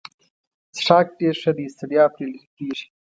څښاک ډېر ښه دی ستړیا پرې لیرې کیږي.